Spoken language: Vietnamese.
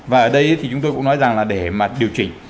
và ở đây thì chúng tôi cũng nói rằng là để mà điều chỉnh